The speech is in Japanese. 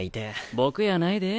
僕やないで。